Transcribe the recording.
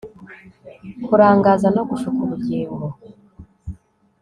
Kurangaza no gushuka ubugingo